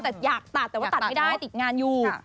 แต่อยากตัดแต่ว่าตัดไม่ได้ติดงานอยู่